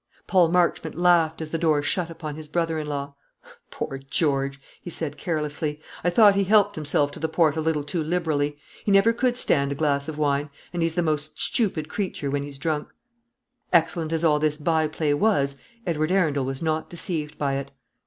Paul Marchmont laughed as the door shut upon his brother in law. "Poor George!" he said, carelessly; "I thought he helped himself to the port a little too liberally. He never could stand a glass of wine; and he's the most stupid creature when he is drunk." Excellent as all this by play was, Edward Arundel was not deceived by it.